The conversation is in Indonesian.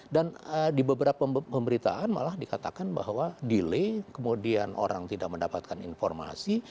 dan di beberapa pemberitaan malah dikatakan bahwa delay kemudian orang tidak mendapatkan informasi